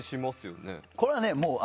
これはねもう。